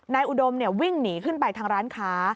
อุดมวิ่งหนีขึ้นไปทางร้านค้า